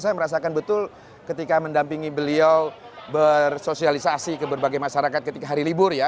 saya merasakan betul ketika mendampingi beliau bersosialisasi ke berbagai masyarakat ketika hari libur ya